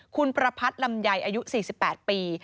คุณประพัทธ์ลำไยอายุ๔๘ปี